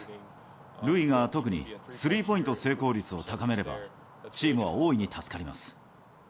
塁が特にスリーポイント成功率を高めれば、チームは大いに助かります。